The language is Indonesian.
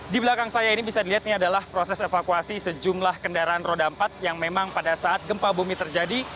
di belakang saya ini bisa dilihat ini adalah proses evakuasi sejumlah kendaraan roda empat yang memang pada saat gempa bumi terjadi